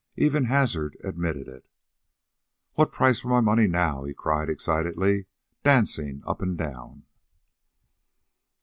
Even Hazard admitted it. "What price for my money now?" he cried excitedly, dancing up and down.